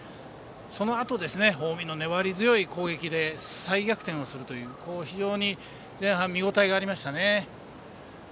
そのあと、近江が粘り強い攻撃で再逆転をするという、非常に前半見応えがありましたね。